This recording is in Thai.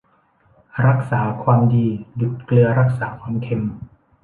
รักษาความดีดุจเกลือรักษาความเค็ม